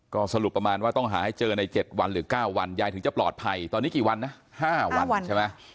ก็สรุปประมาณว่าต้องหาให้เจอใน๗วันหรือ๙วันยายถึงจะปลอดภัยตอนนี้กี่วันนะ๕วันใช่ไหม